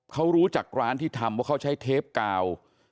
เขารู้จักร้านที่ทำว่าเขาใช้เทปกาว